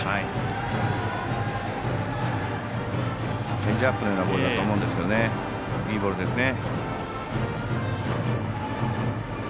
チェンジアップのようなボールだと思うんですけどいいボールですね。